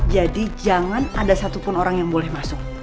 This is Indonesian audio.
jadi jangan ada satupun orang yang boleh masuk